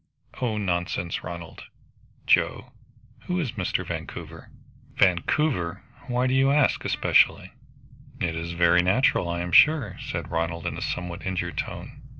"Oh, nonsense, Ronald!" "Joe who is Mr. Vancouver?" "Vancouver! Why do you ask especially?" "It is very natural, I am sure," said Ronald in a somewhat injured tone.